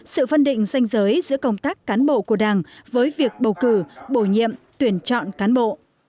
sự phân định danh giới giữa công tác cán bộ của đảng với việc bầu cử bổ nhiệm tuyển chọn cán bộ